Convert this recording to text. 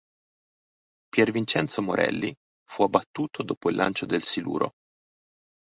Pier Vincenzo Morelli fu abbattuto dopo il lancio del siluro.